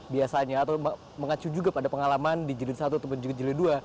biasanya atau mengacu juga pada pengalaman di jilid satu ataupun juga jilid dua